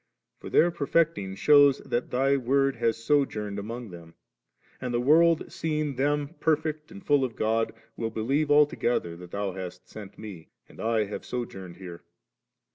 For their perfecting shews that Thy Word has sojourned among them ; and the world seeing them perfect and full of God', will believe altogether that Thou hast sent Me, and I have sojourned here.